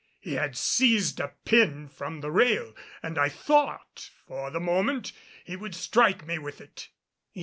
He had seized a pin from the rail and I thought for the moment he would strike me with it.